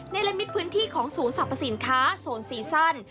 ละมิตพื้นที่ของศูนย์สรรพสินค้าโซนซีซั่น